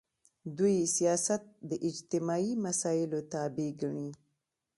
دوی سیاست د اجتماعي مسایلو تابع ګڼي.